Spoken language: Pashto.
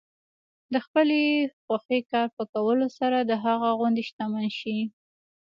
د خپلې خوښې کار په کولو سره د هغه غوندې شتمن شئ.